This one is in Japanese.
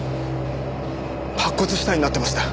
白骨死体になってました。